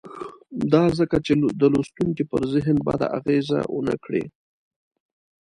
دا ځکه چې د لوستونکي پر ذهن بده اغېزه ونه کړي.